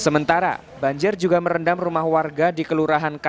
sementara banjir juga merendam rumah warga di kelurahan